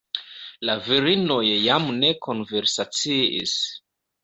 La virinoj jam ne konversaciis.